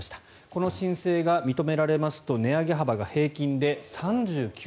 この申請が認められますと値上げ幅が平均で３９．３％。